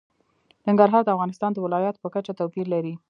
ننګرهار د افغانستان د ولایاتو په کچه توپیر لري.